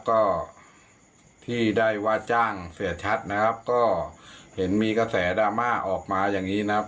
ก็ที่ได้ว่าจ้างเสียชัดนะครับก็เห็นมีกระแสดราม่าออกมาอย่างนี้นะครับ